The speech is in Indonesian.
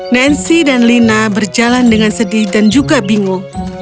nancy dan lina berjalan dengan sedih dan juga bingung